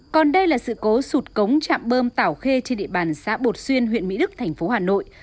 còn đây là sự cố sụt cống chạm bơm tảo khê trên địa bàn xã bột xuyên huyện mỹ đức thành phố hà nội